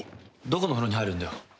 どこの風呂に入るんだよ？